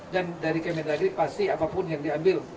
dan dari kementerian lingkungan hidup pasti apapun yang diambil